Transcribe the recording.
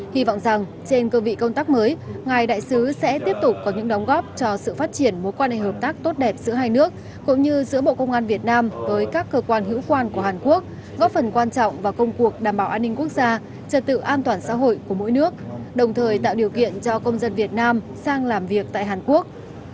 hy vọng rằng trên cơ vị công tác mới ngài đại sứ sẽ tiếp tục có những đóng góp cho sự phát triển mối quan hệ hợp tác tốt đẹp giữa hai nước cũng như giữa bộ công an việt nam với các cơ quan hữu quan của hàn quốc góp phần quan trọng vào công cuộc đảm bảo an ninh quốc gia trật tự an toàn xã hội của mỗi nước đồng thời tạo điều kiện cho công dân việt nam sang làm việc tại hàn quốc